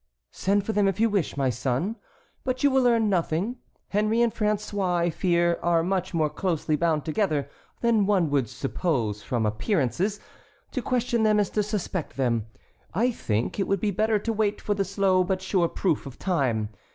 "Send for them if you wish, my son, but you will learn nothing. Henry and François, I fear, are much more closely bound together than one would suppose from appearances. To question them is to suspect them. I think it would be better to wait for the slow but sure proof of time.